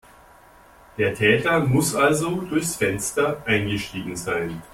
Der Täter muss also durchs Fenster eingestiegen sein.